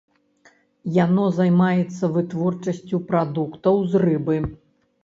Яно займаецца вытворчасцю прадуктаў з рыбы.